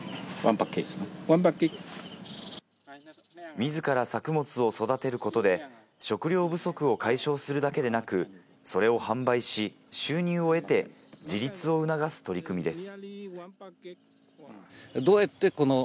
自ら作物を育てることで、食料不足を解消するだけでなく、それを販売し、収入を得て自立を促す取り組みです。